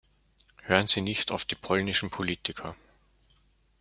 Hören Sie nicht auf die polnischen Politiker!